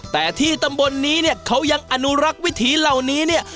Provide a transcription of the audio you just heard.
แต่ที่ตำบลนี้เนี่ยเขายังอนุรักษ์วิถีเหล่านี้เนี่ย